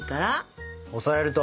押さえると。